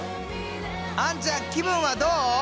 あんちゃん気分はどう？